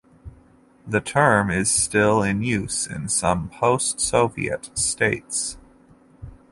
The term is still in use in some post-Soviet states.